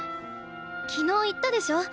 昨日言ったでしょ。